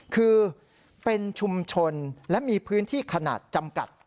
คือเป็นชุมชนและมีพื้นที่ขนาดจำกัด